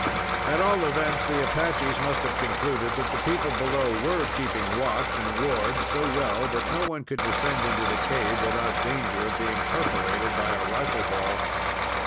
At all events, the Apaches must have concluded that the people below were keeping watch and ward so well that no one could descend into the cave without danger of being perforated by a rifle ball.